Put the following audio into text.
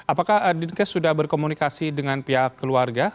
apakah dinkes sudah berkomunikasi dengan pihak keluarga